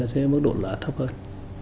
sẽ mức độ là thấp hơn